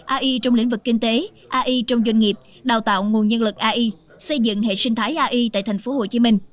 ai trong lĩnh vực kinh tế ai trong doanh nghiệp đào tạo nguồn nhân lực ai xây dựng hệ sinh thái ai tại tp hcm